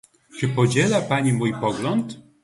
Czy podziela Pani mój pogląd?